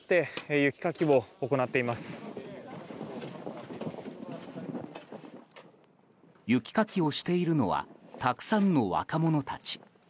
雪かきをしているのはたくさんの若者たち。